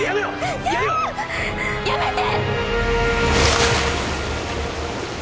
やめて！